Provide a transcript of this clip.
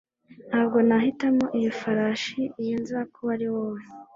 ntabwo nahitamo iyo farashi iyo nza kuba wowe